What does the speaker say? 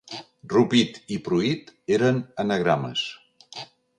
Rupit i Pruit eren anagrames.